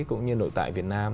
cũng như nội tại việt nam